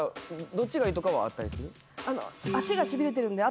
どっちがいいとかはあったりする？